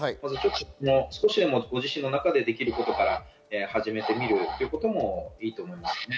少しでもご自身の中でできることから始めてみるのもいいと思います。